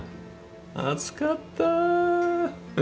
暑かった。